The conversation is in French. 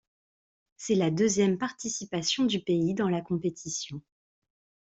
C'est la deuxième participation du pays dans la compétition.